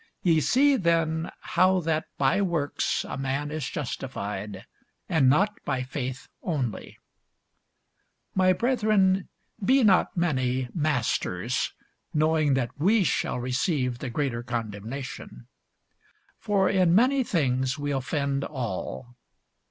Ye see then how that by works a man is justified, and not by faith only. [Sidenote: I. Peter 1] My brethren, be not many masters, knowing that we shall receive the greater condemnation. For in many things we offend all.